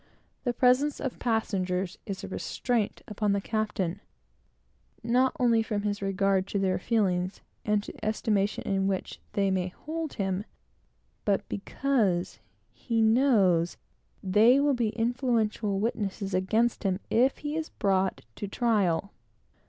The presence of passengers is a restraint upon the captain, not only from his regard to their feelings and to the estimation in which they may hold him, but because he knows they will be influential witnesses against him if he is brought to trial.